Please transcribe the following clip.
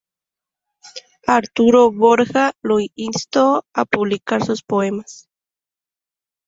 Arturo Borja lo instó a publicar sus poemas.